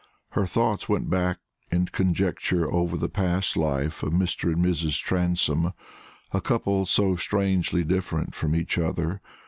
Her thoughts went back in conjecture over the past life of Mr. and Mrs. Transome, a couple so strangely different from each other.